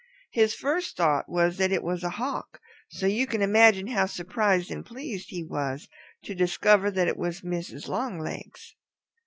His first thought was that it was a Hawk, so you can imagine how surprised and pleased he was to discover that it was Mrs. Longlegs.